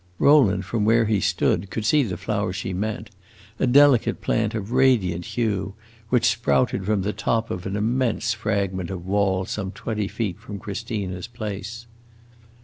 Rowland, from where he stood, could see the flower she meant a delicate plant of radiant hue, which sprouted from the top of an immense fragment of wall some twenty feet from Christina's place.